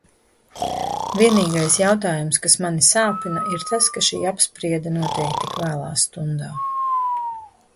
Vienīgais jautājums, kas mani sāpina, ir tas, ka šī apspriede notiek tik vēlā stundā.